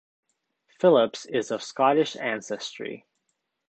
Phillips is of Scottish ancestry.